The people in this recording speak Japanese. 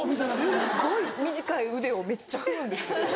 すっごい短い腕をめっちゃ振るんですよ。